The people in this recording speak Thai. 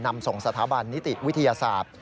นำส่งสถาบันนิติวิทยาศาสตร์